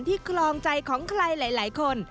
ครองใจของใครหลายคน